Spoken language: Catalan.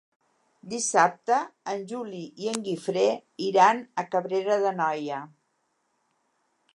Dissabte en Juli i en Guifré iran a Cabrera d'Anoia.